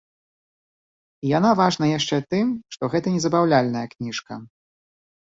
І яна важная яшчэ тым, што гэта не забаўляльная кніжка.